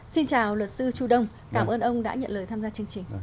xin chào luật sư chu đông cảm ơn ông đã nhận lời tham gia chương trình